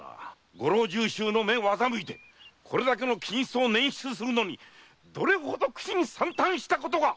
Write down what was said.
ご老中衆の目を欺いてこれだけの金子を捻出するのにどれほど苦心惨憺したことかっ！